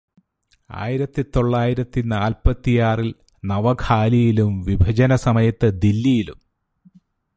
ആയിരത്തി തൊള്ളായിരത്തി നാല്പത്തിയാറിൽ നവഖാലിയിലും വിഭജനസമയത്ത് ദില്ലിയിലും